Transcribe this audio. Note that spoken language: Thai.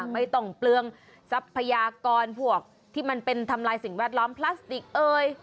ไม่ต้องเปลืองทรัพยากรพวกที่มันเป็นทำลายสิ่งแวดล้อมพลาสติกเอ่ย